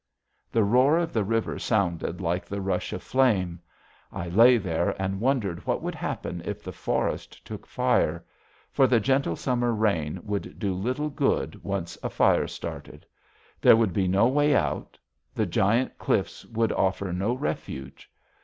The roar of the river sounded like the rush of flame. I lay there and wondered what would happen if the forest took fire. For the gentle summer rain would do little good once a fire started. There would be no way out. The giant cliffs would offer no refuge.